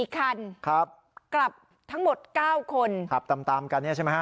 ๔คันกลับทั้งหมด๙คนขับตามกันใช่ไหมฮะ